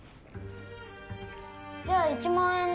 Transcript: じゃあ１万円ね。